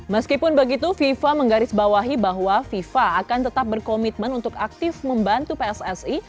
meskipun begitu fifa menggarisbawahi bahwa fifa akan tetap berkomitmen untuk aktif membantu pssi